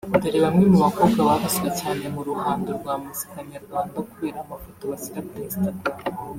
Dore bamwe mu bakobwa bavuzwe cyane mu ruhando rwa muzika nyarwanda kubera amafoto bashyira kuri instagram